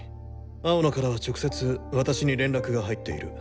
青野からは直接私に連絡が入っている。